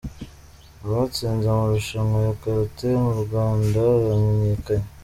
Abatsinze amarushanwa ya karate murwanda bamenyekanye